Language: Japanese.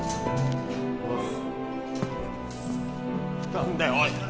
何だよおい